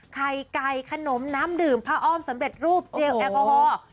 ไข่ไก่ขนมน้ำดื่มผ้าอ้อมสำเร็จรูปเจลแอลกอฮอล์